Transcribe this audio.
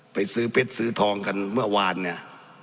ไปซื้อเพชรซื้อทองกันเมื่อวานเนี่ย